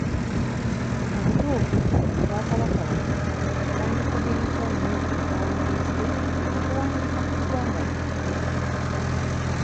Mu butuufu obwakabaka bwaffe bwandikubirizza nnyo abawandiisi okuwandiika ku ggwanga lyaffe.